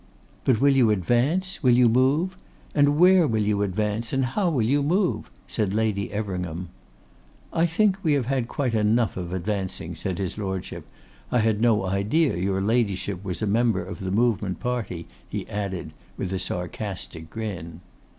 'But will you advance, will you move? And where will you advance, and how will you move?' said Lady Everingham. 'I think we have had quite enough of advancing,' said his Lordship. 'I had no idea your Ladyship was a member of the Movement party,' he added, with a sarcastic grin.